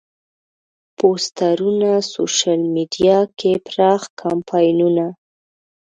پوسترونه، سوشیل میډیا کې پراخ کمپاینونه.